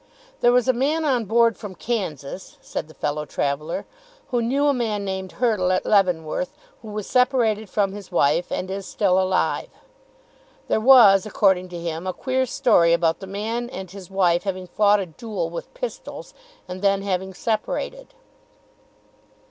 "There was a man on board from Kansas," said the fellow traveller, "who knew a man named Hurtle at Leavenworth, who was separated from his wife and is still alive. There was, according to him, a queer story about the man and his wife having fought a duel with pistols, and then having separated."